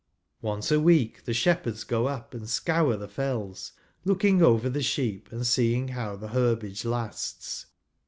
Once a week the shepherds go up and scour the Fells, looking over the sheep, and seeing how the herbage lasts.